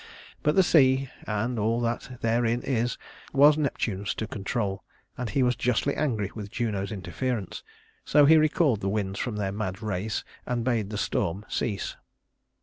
But the sea, and all that therein is, was Neptune's to control, and he was justly angry with Juno's interference; so he recalled the winds from their mad race and bade the storm cease.